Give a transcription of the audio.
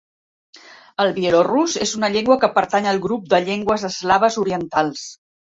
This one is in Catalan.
El bielorús és una llengua que pertany al grup de llengües eslaves orientals.